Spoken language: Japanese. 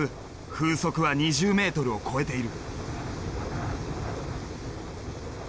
風速は２０メートルを超えている。